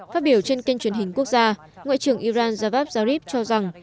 phát biểu trên kênh truyền hình quốc gia ngoại trưởng iran javad zarif cho rằng